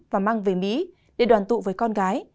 và mang về mỹ để đoàn tụ với con gái